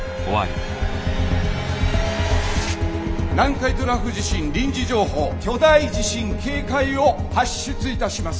「南海トラフ地震臨時情報巨大地震警戒を発出いたします」。